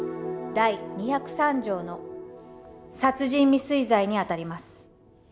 第２０３条の殺人未遂罪にあたります。